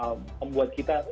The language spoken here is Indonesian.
semacam ruang yang membuat kita